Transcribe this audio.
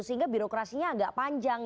sehingga birokrasinya agak panjang